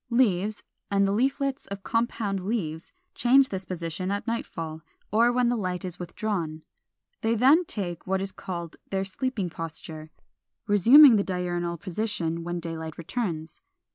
Leaves, and the leaflets of compound leaves, change this position at nightfall, or when the light is withdrawn; they then take what is called their sleeping posture, resuming the diurnal position when daylight returns.